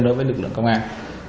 đối với lực lượng công an